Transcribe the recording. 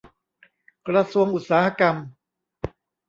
กระทรวงอุตสาหกรรม